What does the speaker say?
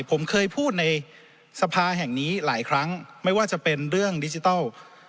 ผมเคยพูดในสภาแห่งนี้หลายครั้งไม่ว่าจะเป็นเรื่องดิจิทัล